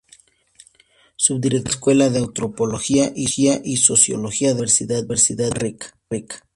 Subdirector de la Escuela de Antropología y Sociología de la Universidad de Costa Rica.